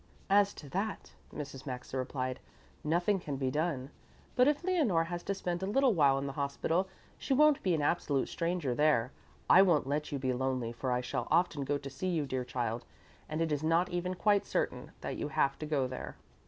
"As to that," Mrs. Maxa replied, "nothing can be done. But if Leonore has to spend a little while in the hospital, she won't be an absolute stranger there. I won't let you be lonely for I shall often go to see you, dear child, and it is not even quite certain that you have to go there."